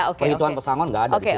perhitungan pesangon nggak ada di situ